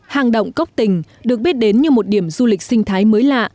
hang động cốc tình được biết đến như một điểm du lịch sinh thái mới lạ